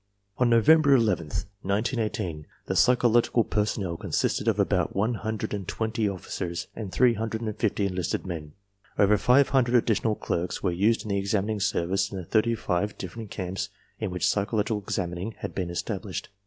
On November 11, 1918, the psychological personnel consisted of about one hundred and twenty officers and three hundred and ^ fifty enlisted men. Over five hundred additional clerks were used in the examining service in the thirty five different camps in which psychological examining had been established.